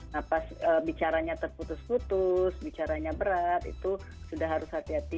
nah pas bicaranya terputus putus bicaranya berat itu sudah harus hati hati